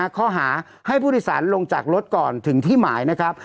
ข้อหาให้ผู้โดยสารลงจากรถก่อนถึงที่หมายนะครับ